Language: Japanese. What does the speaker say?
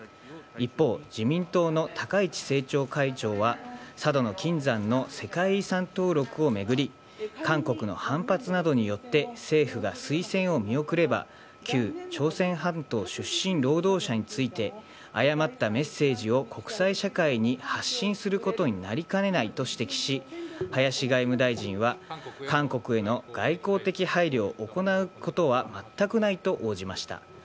一方、自民党の高市政調会長は、佐渡島の金山の世界遺産登録を巡り、韓国の反発などによって、政府が推薦を見送れば、旧朝鮮半島出身労働者について、誤ったメッセージを国際社会に発信することになりかねないと指摘し、林外務大臣は、韓国への外交的配慮を行うことは全くないと応じました。